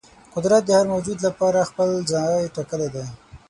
قدرت د هر موجود لپاره خپل ځای ټاکلی دی.